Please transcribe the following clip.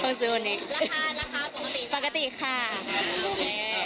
เพิ่งได้วันนี้ค่ะต้องซื้อนะค่ะราคาราคาปกติปกติค่ะ